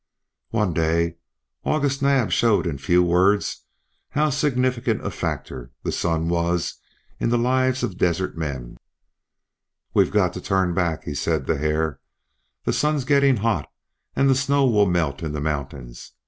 One day August Naab showed in few words how significant a factor the sun was in the lives of desert men. "We've got to turn back," he said to Hare. "The sun's getting hot and the snow will melt in the mountains.